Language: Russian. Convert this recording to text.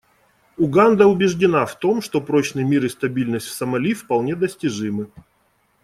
Уганда убеждена в том, что прочный мир и стабильность в Сомали вполне достижимы.